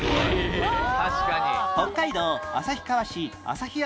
北海道旭川市旭山